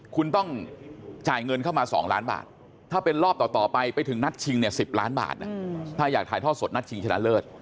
คุณต้องจ่ายเงินเข้ามา๒ล้านบาทถ้าเป็นรอบต่อไปไปถึงนัดชิงเนี่ย๑๐ล้านบาทนะถ้าอยากถ่ายทอดสดนัดชิงชนะเลิศ